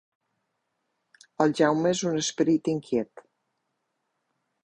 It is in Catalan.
El Jaume és un esperit inquiet.